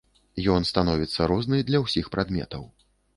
Ён становіцца розны для ўсіх прадметаў.